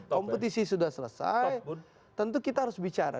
kompetisi sudah selesai tentu kita harus bicara